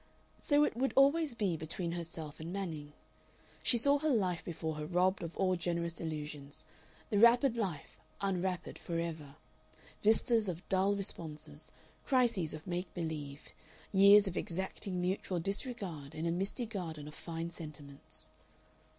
So it would always be between herself and Manning. She saw her life before her robbed of all generous illusions, the wrappered life unwrappered forever, vistas of dull responses, crises of make believe, years of exacting mutual disregard in a misty garden of fine sentiments.